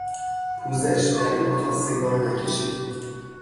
پوزش، در این اتاق سیگار نکشید!